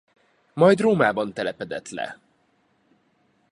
Majd Rómában telepedett le.